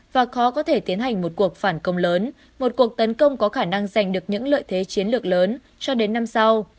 và khó có thể tiến hành một cuộc phản công lớn một cuộc tấn công có khả năng giành được những lợi thế chiến lược lớn cho đến năm sau